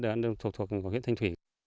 nó đang thuộc vào huyện thanh thủy